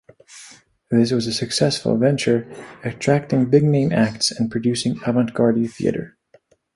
This was a successful venture, attracting big-name acts and producing avant-garde theatre.